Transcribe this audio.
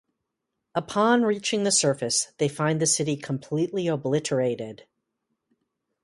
Upon reaching the surface, they find the city completely obliterated.